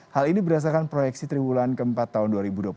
hal ini berdasarkan proyeksi triwulan keempat tahun dua ribu dua puluh satu